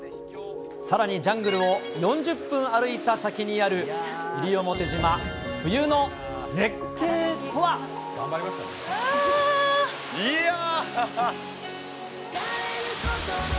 さらにジャングルを４０分歩いた先にある、いやー！